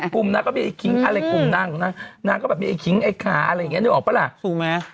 กลุ่มนางก็มีไอ้คิงอะไรกลุ่มนางก็มีไอ้คิงไอ้ขาอะไรอย่างนี้รู้หรือเปล่าล่ะ